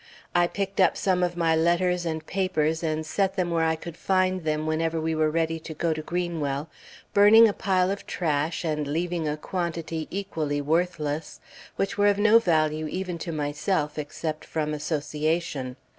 I picked up some of my letters and papers and set them where I could find them whenever we were ready to go to Greenwell, burning a pile of trash and leaving a quantity equally worthless, which were of no value even to myself except from association.